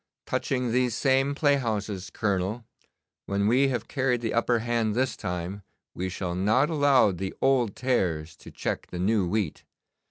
Touching these same playhouses, Colonel, when we have carried the upper hand this time, we shall not allow the old tares to check the new wheat.